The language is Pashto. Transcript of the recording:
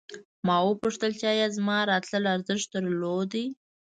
ما وپوښتل چې ایا زما راتلل ارزښت درلود